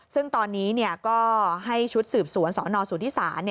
ซึ่งตอนนี้ก็ให้ชุดสืบสวนสนสุธิศาล